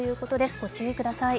ご注意ください。